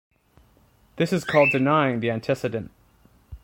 This is called denying the antecedent.